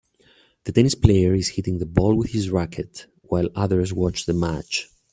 The tennis player is hitting the ball with his racquet, while others watch the match.